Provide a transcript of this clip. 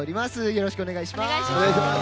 よろしくお願いします。